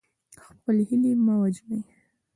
خپلې هیلې مه وژنئ.